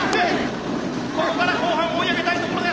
ここから後半追い上げたいところです！